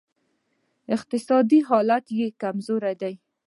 اقتصادي حالت یې کمزوری دی